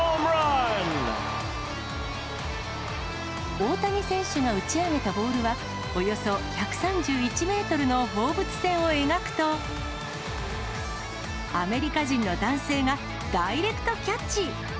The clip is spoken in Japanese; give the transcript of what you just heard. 大谷選手が打ち上げたボールは、およそ１３１メートルの放物線を描くと、アメリカ人の男性が、ダイレクトキャッチ。